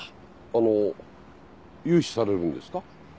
あの融資されるんですか？